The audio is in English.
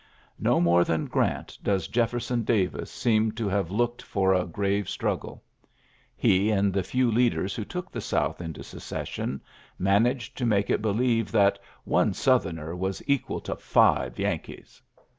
"So more than Grant does Jefferson Davis seem to have looked for a grave f ULYSSES S. GEANT 61 t stmggle. He and the few leaders, who ' took the South into Secession^ managed to make it believe that ^^one Southerner L was equal to five Yankees."